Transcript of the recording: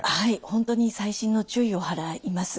本当に細心の注意を払います。